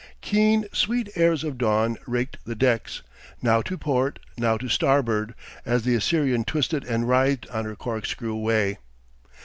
Keen, sweet airs of dawn raked the decks, now to port, now to starboard, as the Assyrian twisted and writhed on her corkscrew way.